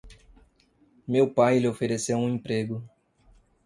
Meu pai lhe ofereceu um emprego.